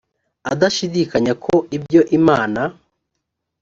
adashidikanya ko ibyo imana